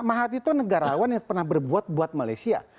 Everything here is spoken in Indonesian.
mahathi itu negarawan yang pernah berbuat buat malaysia